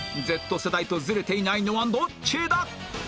Ｚ 世代とずれていないのはどっちだ？